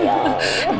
ya allah sayang